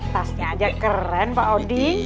tasnya aja keren pak odi